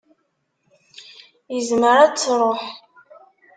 Izmer ad d-tṛuḥ.